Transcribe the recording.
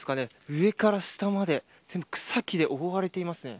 上から下まで草木で覆われていますね。